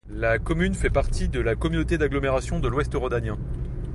La commune fait partie de la communauté d'agglomération de l'Ouest Rhodanien.